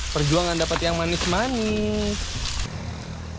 perjuangan dapat yang manis manis